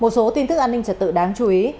một số tin tức an ninh trật tự đáng chú ý